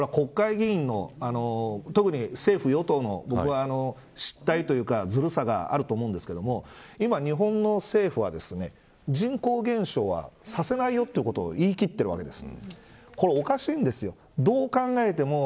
僕は、人口減については国会議員の、特に政府与党の失態というか、ずるさがあると思うんですけど今、日本の政府は人口減少はさせないよということを言い切っているわけです。